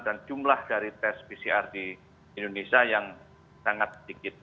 dan jumlah dari tes pcr di indonesia yang sangat sedikit